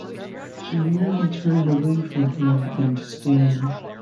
She merely turned away from him in disdain.